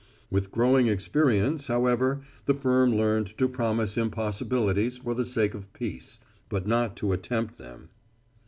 With growing experience, however, the firm learned to promise impossibilities for the sake of peace, but not to attempt them.